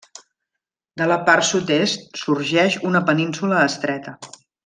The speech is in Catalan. De la part sud-est sorgeix una península estreta.